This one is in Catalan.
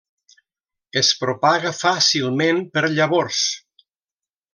Es propaga fàcilment per llavors.